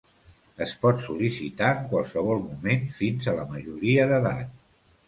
Es pot sol·licitar en qualsevol moment fins a la majoria d'edat.